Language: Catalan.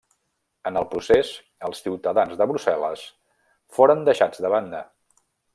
En el procés, els ciutadans de Brussel·les foren deixats de banda.